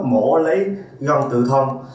bệnh nhân không có lấy gông tự thông